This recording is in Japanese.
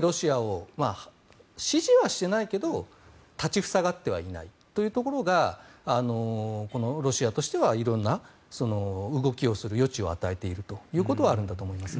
ロシアを支持はしていないけど立ち塞がってはいないというところがこのロシアとしては色んな動きをする余地を与えているということはあるんだと思います。